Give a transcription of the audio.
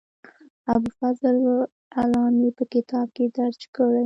ابوالفضل علامي په کتاب کې درج کړې.